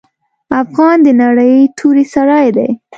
افغان د نرۍ توري سړی دی.